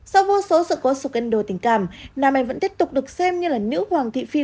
sau vô số sự cố xúc ấn đồ tình cảm nam em vẫn tiếp tục được xem như là nữ hoàng thị phi